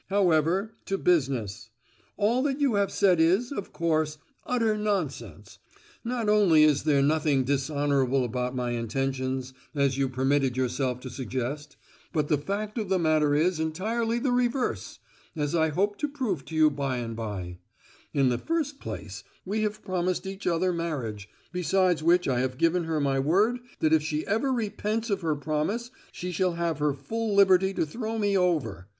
However, to business. All that you have said is, of course, utter nonsense; not only is there nothing 'dishonourable' about my intentions, as you permitted yourself to suggest, but the fact of the matter is entirely the reverse, as I hope to prove to you by and bye. In the first place, we have promised each other marriage, besides which I have given her my word that if she ever repents of her promise she shall have her full liberty to throw me over.